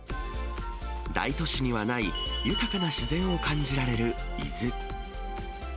大都市にはない豊かな自然を感じられる伊豆。